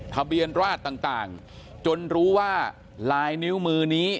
ทะเบียนราชต่างจนรู้ว่าลายนิ้วมือนี้